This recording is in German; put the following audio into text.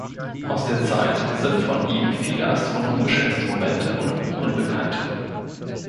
Aus der Zeit sind von ihm viele Astronomische Instrumente und Uhren bekannt.